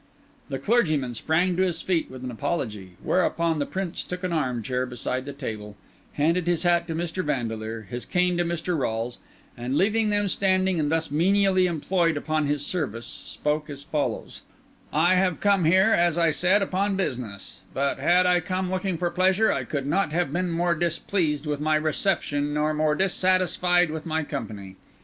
The clergyman sprang to his feet with an apology; whereupon the Prince took an armchair beside the table, handed his hat to Mr. Vandeleur, his cane to Mr. Rolles, and, leaving them standing and thus menially employed upon his service, spoke as follows:— "I have come here, as I said, upon business; but, had I come looking for pleasure, I could not have been more displeased with my reception nor more dissatisfied with my company.